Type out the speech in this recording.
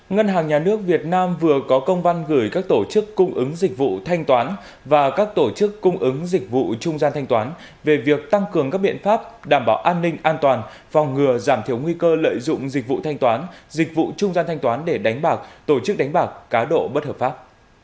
ngân hàng nhà nước việt nam vừa có công văn gửi các tổ chức cung ứng dịch vụ thanh toán và các tổ chức cung ứng dịch vụ trung gian thanh toán về việc tăng cường các biện pháp đảm bảo an ninh an toàn phòng ngừa giảm thiểu nguy cơ lợi dụng dịch vụ thanh toán dịch vụ trung gian thanh toán để đánh bạc tổ chức đánh bạc cá độ bất hợp pháp